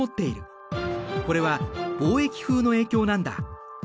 これは貿易風の影響なんだ。